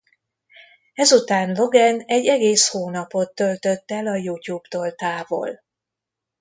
Ezután Logan egy egész hónapot töltött el a YouTube-tól távol.